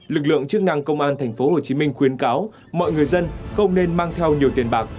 lực lượng chức năng công an tp hcm khuyến cáo mọi người dân không nên mang theo nhiều tiền bạc